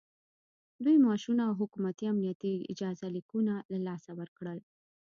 دوی معاشونه او حکومتي امنیتي اجازه لیکونه له لاسه ورکړل